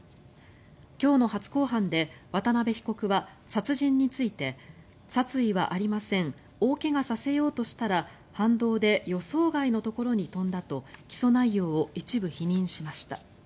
今日の初公判で渡邊被告は殺人について殺意はありません大怪我させようとしたら反動で予想外のところに飛んだと起訴内容を一部否認しました。